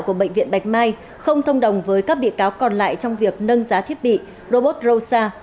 của bệnh viện bạch mai không thông đồng với các bị cáo còn lại trong việc nâng giá thiết bị robot rosa